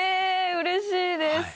うれしいです。